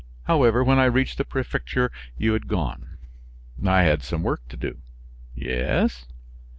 However, when I reached the prefecture you had gone." "I had some work to do." "Yes?"